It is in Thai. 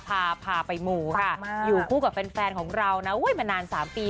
พาพาไปมูค่ะอยู่คู่กับแฟนของเรานะมานาน๓ปี